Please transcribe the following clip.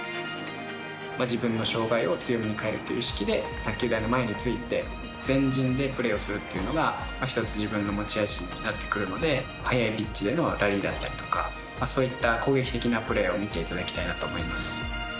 自分の障がいを強みに変えるという意識で卓球台の前について前陣でプレーするというのが自分の持ち味になってくるので速いピッチでのラリーだったりとかそういった攻撃的なプレーを見ていただきたいなと思います。